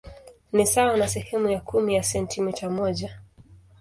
Ni sawa na sehemu ya kumi ya sentimita moja.